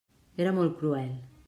Era molt cruel!